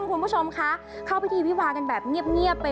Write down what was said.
คุณผู้ชมคะเข้าพิธีวิวากันแบบเงียบไป